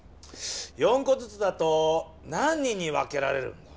４こずつだと何人に分けられるんだ？